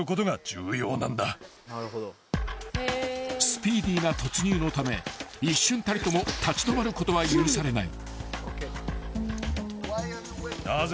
［スピーディーな突入のため一瞬たりとも立ち止まることは許されない］